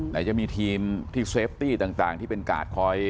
ไหนจะมีทีมที่เซฟตี้ต่างที่เป็นกาดคอย